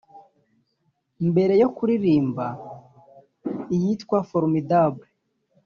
Mbere yo kuririmba iyitwa ‘Formidable’